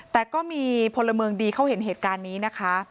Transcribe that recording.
แต่ก็มีพลเมืองดีเขาเห็นเหตุการณ์นี้นะคะ